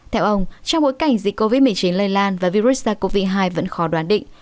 theo ông trong bối cảnh dịch covid một mươi chín lây lan và virus sars cov hai vẫn khó đoán định